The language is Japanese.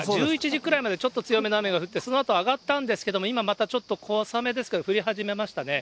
１１時くらいまでちょっと強めの雨が降って、そのあと上がったんですけれども、今またちょっと、小雨ですけど降り始めましたね。